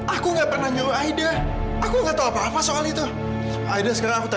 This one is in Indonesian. aku nggak pernah nyuruh aida aku nggak tahu apa apa soal itu aida sekarang aku tahu